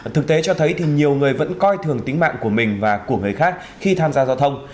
thực tế cho thấy thì nhiều người vẫn coi thường tính mạng của mình và của người khác khi tham gia giao thông